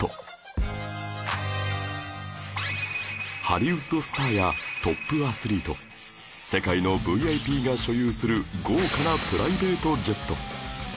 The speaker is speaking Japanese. ハリウッドスターやトップアスリート世界の ＶＩＰ が所有する豪華なプライベートジェット